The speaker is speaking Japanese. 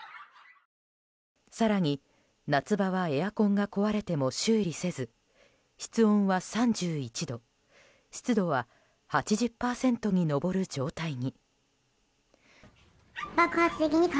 更に、夏場はエアコンが壊れても修理せず室温は３１度、湿度は８０％に上る状態に。